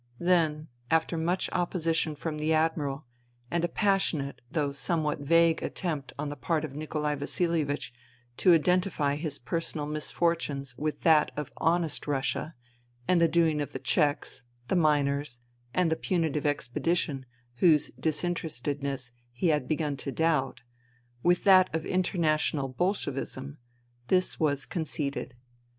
Then, after much opposition from the Admiral, and a passionate, though some what vague attempt on the part of Nikolai Vasilie vich to identify his personal misfortunes with that of " honest " Russia, and the doings of the Czechs, the miners, and the punitive expedition whose disinterestedness he had begun to doubt, with that of international Bolshevism, this was conceded.